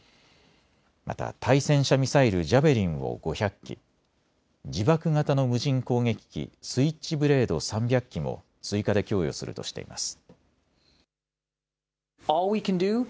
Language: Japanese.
また対戦車ミサイルジャベリンを５００基、自爆型の無人攻撃機スイッチブレード３００機も追加で供与するとしています。